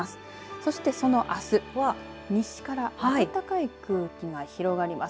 そして、そのあす西から暖かい空気が広がります。